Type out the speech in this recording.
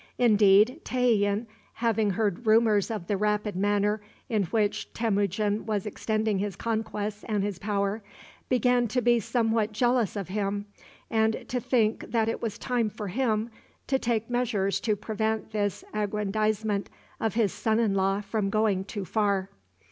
Indeed, Tayian, having heard rumors of the rapid manner in which Temujin was extending his conquests and his power, began to be somewhat jealous of him, and to think that it was time for him to take measures to prevent this aggrandizement of his son in law from going too far.